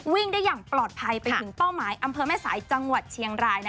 วิ่งได้อย่างปลอดภัยไปถึงเป้าหมายอำเภอแม่สายจังหวัดเชียงราย